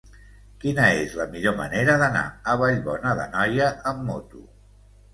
Quina és la millor manera d'anar a Vallbona d'Anoia amb moto?